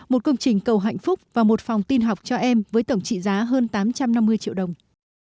một công trình cầu hạnh phúc và một phòng tin học cho em với tổng trị giá hơn tám trăm năm mươi triệu đồng